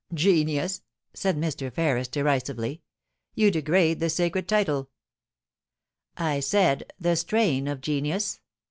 * Genius !' said Mr. Ferris, derisively. * You degrade the sacred title.' * I said the " strain of genius."